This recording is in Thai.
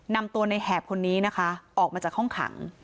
นำตัวในแหบคนนี้นะคะออกมาจากห้องขัง